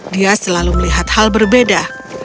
dia selalu melihat hal berbeda